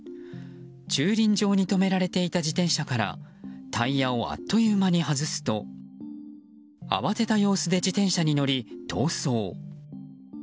駐輪場に止められていた自転車からタイヤをあっという間に外すと慌てた様子で自転車に乗り逃走。